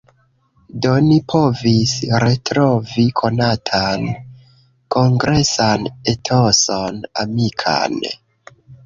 Do ni povis retrovi konatan kongresan etoson amikan.